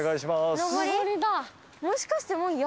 もしかしてもう山？